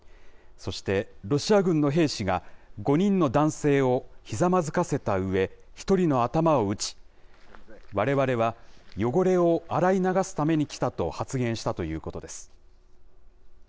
そして、ロシア軍の兵士が、５人の男性をひざまずかせたうえ、１人の頭を撃ち、われわれは汚れを洗い流すために来たと発言したということです。